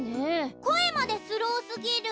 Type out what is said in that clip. こえまでスローすぎる。